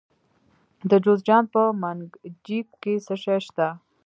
د جوزجان په منګجیک کې څه شی شته؟